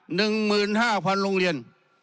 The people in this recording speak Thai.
หนึ่งหมื่น๕๐๐๐โรงเรียน